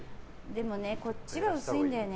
でもね、こっちが薄いんだよね